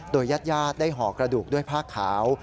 โดยยาดได้ห่อกระดูกด้วยผ้าขาว